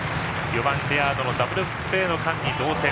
４番レアードのダブルプレーの間に同点。